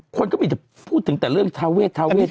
คนก็ไม่ค่อยจะพูดถึงแต่เรื่องท้าเวชติดกัน